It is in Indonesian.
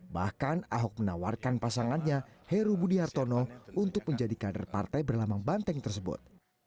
bahkan ahok menawarkan pasangannya heru budi hartono untuk menjadi kader partai berlamang banteng tersebut